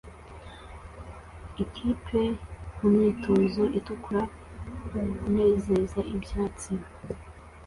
Ikipe mumyitozo itukura kunezeza ibyatsi